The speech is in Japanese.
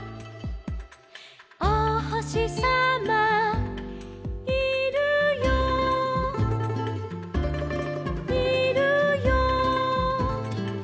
「おほしさまいるよいるよ」